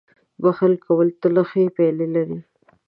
• بښنه کول تل ښې پایلې لري.